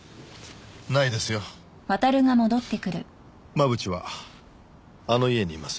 真渕はあの家にいます。